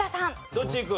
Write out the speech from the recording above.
どっちいく？